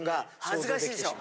恥ずかしいでしょ。